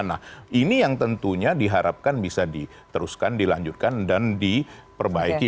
nah ini yang tentunya diharapkan bisa diteruskan dilanjutkan dan diperbaiki